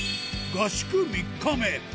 合宿３日目。